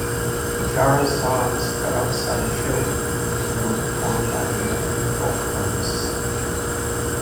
Jara's songs spread outside Chile and were performed by American folk artists.